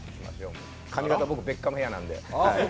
髪形、僕、ベッカムヘアなんで。